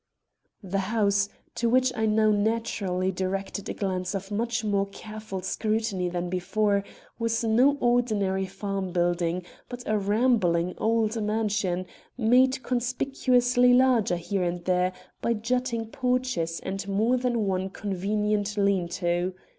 The house, to which I now naturally directed a glance of much more careful scrutiny than before, was no ordinary farm building, but a rambling old mansion, made conspicuously larger here and there by jutting porches and more than one convenient lean to.